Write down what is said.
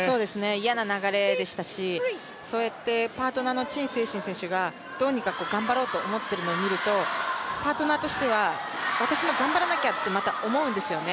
嫌な流れでしたし、パートナーの陳清晨選手がどうにか頑張ろうと思っているのを見ると、パートナーとしては私も頑張らなきゃって、また思うんですよね。